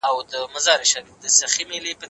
تعلیم یافته میندې د ماشومانو د بدن پاک ساتل مهم بولي.